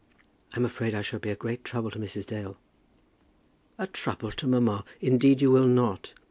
"I'm afraid I shall be a great trouble to Mrs. Dale." "A trouble to mamma! Indeed you will not.